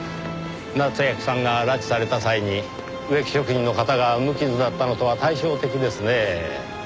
夏焼さんが拉致された際に植木職人の方が無傷だったのとは対照的ですねぇ。